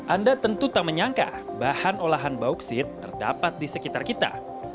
anda tentu tak menyangka bahan olahan bauksit terdapat di sekitar kita